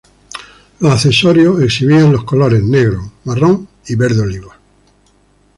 Los accesorios exhibían los colores negro, marrón y verde olivo.